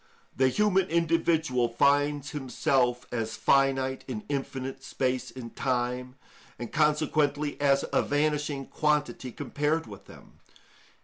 The human individual finds himself as finite in infinite space and time, and consequently as a vanishing quantity compared with them.